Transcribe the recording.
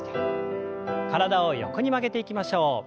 体を横に曲げていきましょう。